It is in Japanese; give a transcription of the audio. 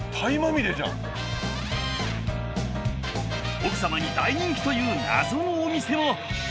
奥様に大人気という謎のお店も。